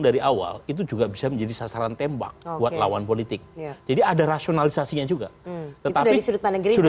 dari awal itu juga bisa menjadi sasaran tembak buat lawan politik jadi ada rasionalisasinya juga tetapi sudah